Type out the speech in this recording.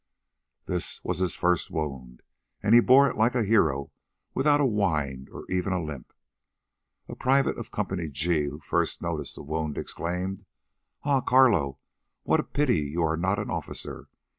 This was his first wound, and he bore it like a hero without a whine or even a limp. A private of Co. G, who first noticed the wound, exclaimed: "Ah, Carlo, what a pity you are not an officer!